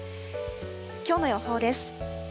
きょうの予報です。